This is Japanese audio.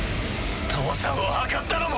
父さんを謀ったのも。